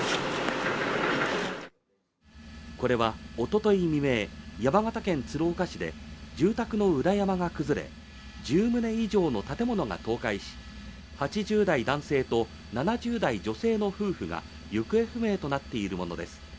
これはおととい未明、山形県鶴岡市で住宅の裏山が崩れ１０棟以上の建物が倒壊し、８０代男性と７０代女性の夫婦が行方不明となっているものです。